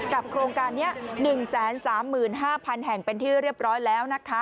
โครงการนี้๑๓๕๐๐๐แห่งเป็นที่เรียบร้อยแล้วนะคะ